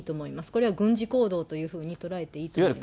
これは軍事行動というふうにとらえていいと思います。